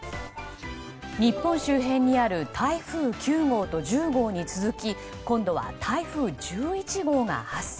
日本周辺にある台風９号と１０号に続き今度は台風１１号が発生。